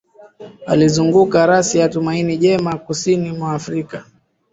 Alizunguka Rasi ya Tumaini Jema kusini mwa Afrika